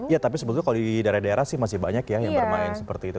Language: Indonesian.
ya tapi sebetulnya kalau di daerah daerah sih masih banyak ya yang bermain seperti itu